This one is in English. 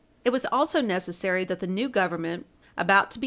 It was also necessary that the new Government, about to be Page 60 U.